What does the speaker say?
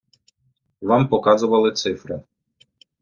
Вам показували цифри.